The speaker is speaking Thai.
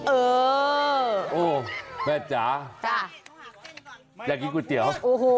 โอ้แม่จ๋าอยากกินก๋วยเตี๋ยว